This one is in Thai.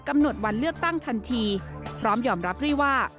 กำหนดวันเลือกตั้งทันทีพร้อมยอมรับรีว่า